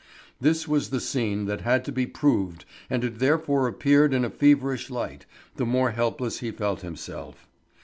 This was the scene that had to be proved and it therefore appeared in a feverish light, the more helpless he felt himself.